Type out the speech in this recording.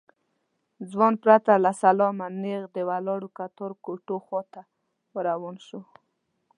ځوان پرته له سلامه نېغ د ولاړو کتار کوټو خواته ور روان شو.